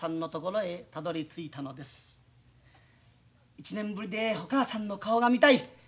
１年ぶりでお母さんの顔が見たい。